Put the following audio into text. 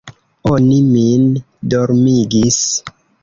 Oni min dormigis.